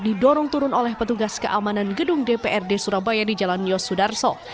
didorong turun oleh petugas keamanan gedung dprd surabaya di jalan yosudarso